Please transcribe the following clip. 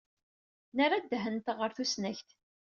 Nerra ddehn-nteɣ ɣer tusnakt.